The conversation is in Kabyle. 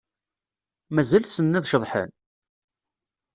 Mazal ssnen ad ceḍḥen?